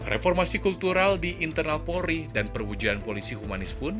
reformasi kultural di internal polri dan perwujuan polisi humanis pun